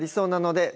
で